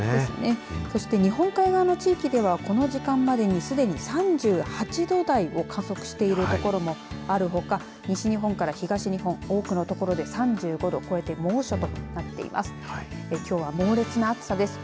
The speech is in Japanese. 日本海側の地域ではこの時間までにすでに３８度台を観測している所もあるほか西日本から東日本、多くの所で３５度を超えて猛暑日、きょうは猛烈な暑さです。